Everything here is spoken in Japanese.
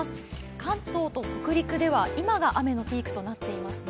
関東と北陸では今が雨のピークとなっていますね。